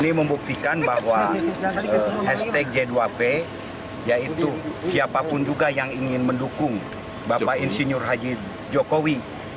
ini membuktikan bahwa hashtag g dua p yaitu siapapun juga yang ingin mendukung bapak insinyur haji jokowi